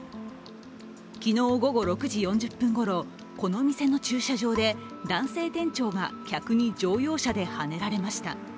昨日午後６時４０分ごろ、この店の駐車場で男性店長が客に乗用車ではねられました。